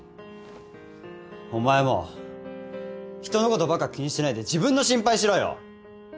お前も人のことばっか気にしてないで自分の心配しろよ！